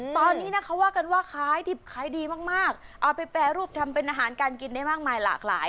ตอนนี้นะเขาว่ากันว่าขายดิบขายดีมากเอาไปแปรรูปทำเป็นอาหารการกินได้มากมายหลากหลาย